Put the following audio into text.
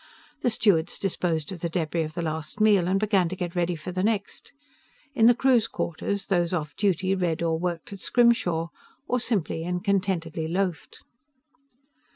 The stewards disposed of the debris of the last meal, and began to get ready for the next. In the crew's quarters, those off duty read or worked at scrimshaw, or simply and contentedly loafed.